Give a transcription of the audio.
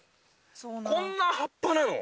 こんな葉っぱなの？